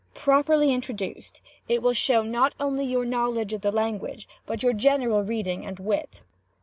Properly introduced, will show not only your knowledge of the language, but your general reading and wit.